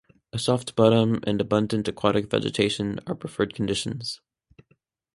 A soft bottom and abundant aquatic vegetation are preferred conditions.